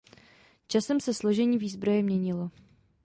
Časem se složení výzbroje měnilo.